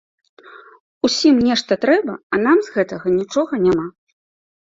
Усім нешта трэба, а нам з гэтага нічога няма.